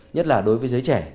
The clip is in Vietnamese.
nhất là đối với giới trẻ